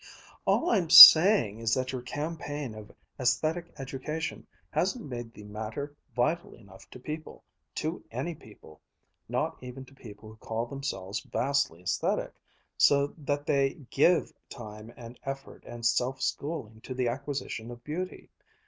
"All I'm saying is that your campaign of aesthetic education hasn't made the matter vital enough to people, to any people, not even to people who call themselves vastly aesthetic, so that they give time and effort and self schooling to the acquisition of beauty.